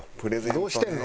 どうしてんの？